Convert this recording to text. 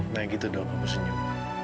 nah gitu dong aku senyum